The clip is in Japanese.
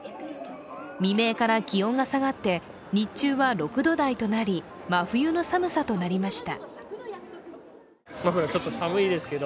未明から気温が下がって日中は６度台となり真冬の寒さとなりました。